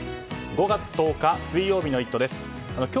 ５月１０日水曜日の「イット！」